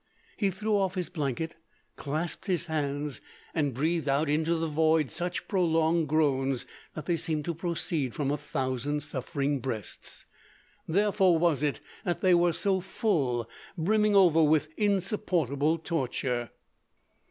He threw off his blanket, clasped his hands, and breathed out into the void such prolonged groans, that they seemed to proceed from a thousand suffering breasts, therefore was it that they were so full, brimming over with insupportable torture.